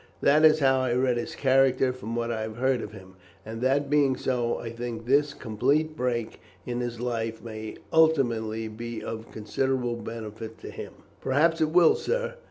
That is how I read his character from what I have heard of him, and that being so, I think this complete break in his life may ultimately be of considerable benefit to him." "Perhaps it will, sir.